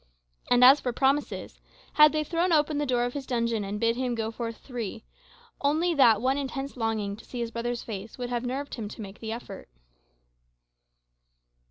And as for promises, had they thrown open the door of his dungeon and bid him go forth free, only that one intense longing to see his brother's face would have nerved him to make the effort.